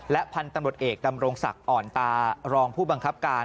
พันธุ์ตำรวจเอกดำรงศักดิ์อ่อนตารองผู้บังคับการ